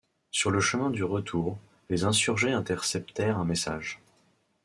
Sur le chemin du retour, les insurgés interceptèrent un message.